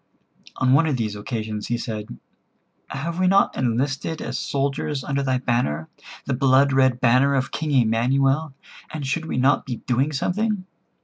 On one of these occasions, he said: "Have we not enlisted as soldiers under thy banner, the blood red banner of King Emanuel, and should we not be doing something?